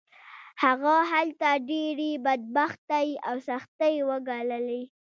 هغه هلته ډېرې بدبختۍ او سختۍ وګاللې